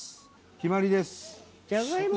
決まりです。